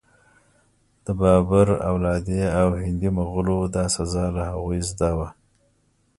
د بابر اولادې او هندي مغولو دا سزا له هغوی زده وه.